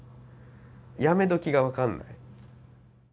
やめどきがわからない。